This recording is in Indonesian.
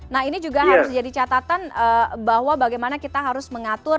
nah ini juga harus jadi catatan bahwa bagaimana kita harus mengatur